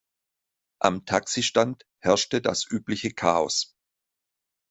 Am Taxistand herrschte das übliche Chaos.